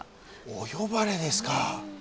お呼ばれですか。